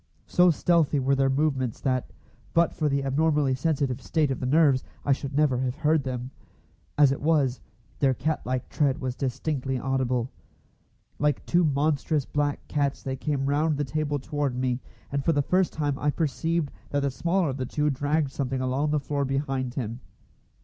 So stealthy were their movements that, but for the abnormally sensitive state of the nerves, I should never have heard them. As it was, their cat like tread was distinctly audible. Like two monstrous black cats they came round the table toward me, and for the first time I perceived that the smaller of the two dragged something along the floor behind him.